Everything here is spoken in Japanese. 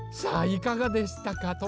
さあいかがでしたか？